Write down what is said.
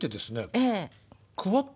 えっ？